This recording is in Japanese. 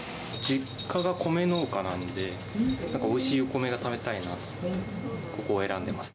実家が米農家なんで、なんかおいしいお米が食べたいので、ここを選んでいます。